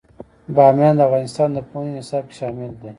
بامیان د افغانستان د پوهنې نصاب کې شامل دي.